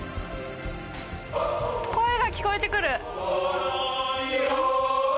声が聞こえてくる！